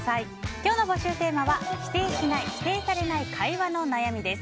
今日の募集テーマは否定しない、否定されない会話の悩みです。